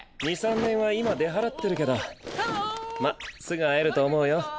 二三年は今出払ってるけどまっすぐ会えると思うよ。